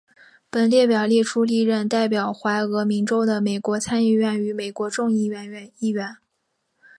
本列表列出历任代表怀俄明州的美国参议院与美国众议院议员。